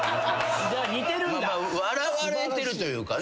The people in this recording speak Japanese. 笑われてるというかね。